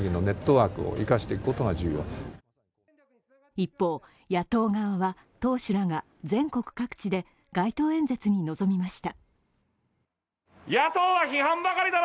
一方、野党側は党首らが全国各地で街頭演説に臨みました。